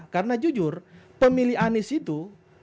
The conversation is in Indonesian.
karena pemilih anies itu